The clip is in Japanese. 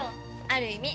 ある意味。